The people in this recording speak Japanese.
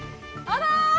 あら。